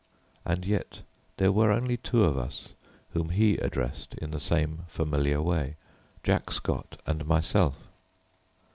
And yet there were only two of us whom he addressed in the same familiar way Jack Scott and myself.